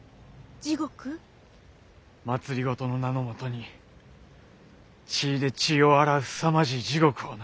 政の名のもとに血で血を洗うすさまじい地獄をな。